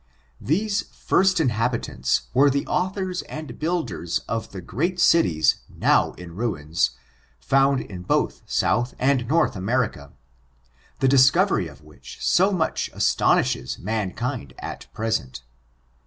These first inhabitants were the authors and builders of the great cities now in ruins, found in both South and North America, the discovery of which so much as tonishes mankind at present.